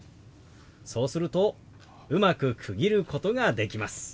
そうするとうまく区切ることができます。